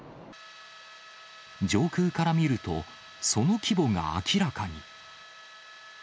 上空から見ると、その規模が明らかに。